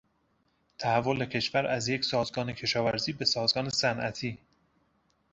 تحول کشور از یک سازگان کشاورزی به سازگان صنعتی